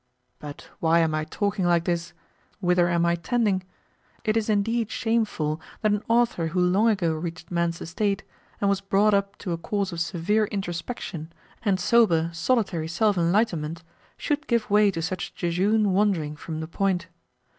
But why am I talking like this? Whither am I tending? It is indeed shameful that an author who long ago reached man's estate, and was brought up to a course of severe introspection and sober, solitary self enlightenment, should give way to such jejune wandering from the point.